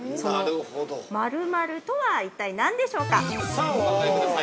◆さあ、お答えください。